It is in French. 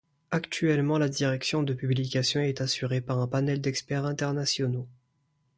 Actuellement la direction de publication est assurée par un panel d'experts internationaux.